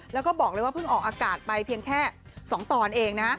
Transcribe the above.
แล้วก็บอกเลยว่าเพิ่งออกอากาศไปเพียงแค่๒ตอนเองนะ